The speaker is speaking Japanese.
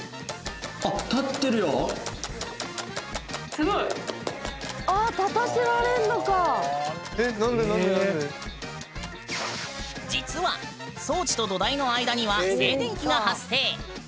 すごい！実は装置と土台の間には静電気が発生。